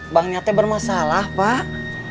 bang nyatanya bermasalah pak